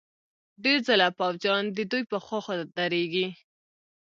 ډېر ځله پوځیان ددوی په خوا درېږي.